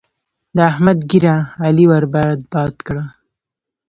د احمد ږيره؛ علي ور باد باد کړه.